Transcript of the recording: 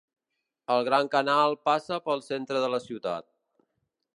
El Gran Canal passa pel centre de la ciutat.